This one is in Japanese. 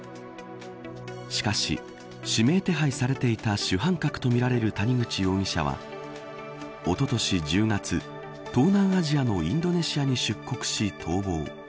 しかし、指名手配されていた主犯格とみられる谷口容疑者は、おととし１０月東南アジアのインドネシアに出国し逃亡。